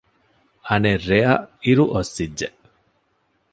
އަނެއް ރެއަށް އިރު އޮއްސިއް ޖެ